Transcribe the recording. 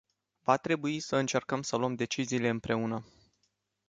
Va trebui să încercăm să luăm deciziile împreună.